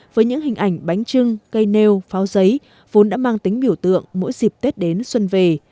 với những hình ảnh bánh trưng cây nêu pháo giấy vốn đã mang tính biểu tượng mỗi dịp tết đến xuân về